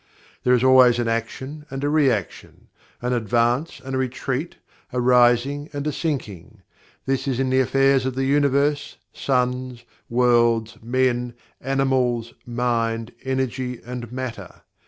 There is always an action and a reaction; an advance and a retreat; a rising and a sinking. This is in the affairs of the Universe, suns, worlds, men, animals, mind, energy, and matter.